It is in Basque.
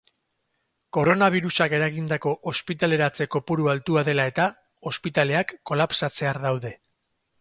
Koronabirusak eragindako ospitaleratze kopuru altua dela eta, ospitaleak kolapsatzear daude.